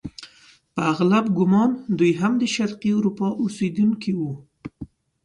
په اغلب ګومان دوی هم د شرقي اروپا اوسیدونکي وو.